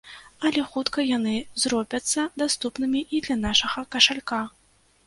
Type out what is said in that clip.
Але хутка яны зробяцца даступнымі і для нашага кашалька.